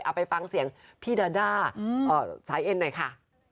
เอาไปฟังเสียงพี่ดาด้าสายเอ็นหน่อยค่ะ